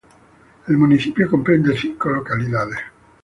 El municipio comprende cinco localidades.